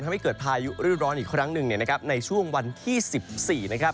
ทำให้เกิดพายุฤดูร้อนอีกครั้งหนึ่งเนี่ยนะครับในช่วงวันที่๑๔นะครับ